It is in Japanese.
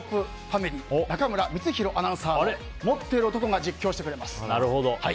ファミリー中村光宏アナウンサーと持ってる男が実況してくれます。